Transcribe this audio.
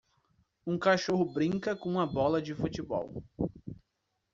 Um cachorro brinca com uma bola de futebol